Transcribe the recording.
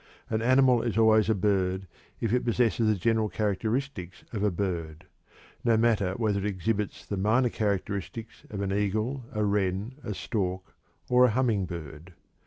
An animal is always a bird if it possesses the general characteristics of a "bird," no matter whether it exhibits the minor characteristics of an eagle, a wren, a stork, or a humming bird.